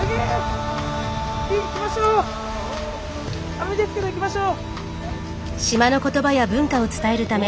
雨ですけど行きましょう。